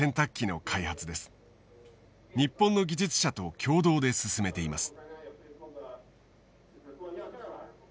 日本の技術者と共同で進めています。